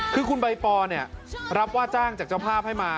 คือคุณใบปอเนี่ยรับว่าจ้างจากเจ้าภาพให้มา